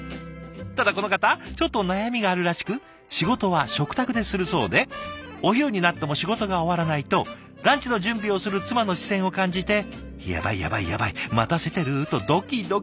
ただこの方ちょっと悩みがあるらしく仕事は食卓でするそうでお昼になっても仕事が終わらないとランチの準備をする妻の視線を感じて「やばいやばいやばい待たせてる」とドキドキプレッシャーに。